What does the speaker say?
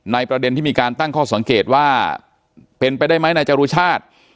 ประเด็นที่มีการตั้งข้อสังเกตว่าเป็นไปได้ไหมนายจรุชาติ